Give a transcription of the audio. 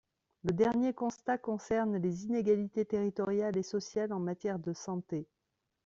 Le dernier constat concerne les inégalités territoriales et sociales en matière de santé.